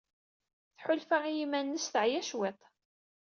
Tḥulfa i yiman-nnes teɛya cwiṭ.